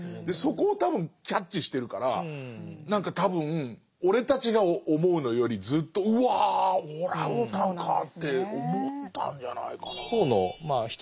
でそこを多分キャッチしてるから何か多分俺たちが思うのよりずっとうわオランウータンかって思ったんじゃないかなぁ。